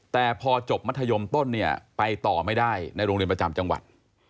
แต่พอจบมัธยมต้นเนี่ยไปต่อไม่ได้ในโรงเรียนประจำจังหวัด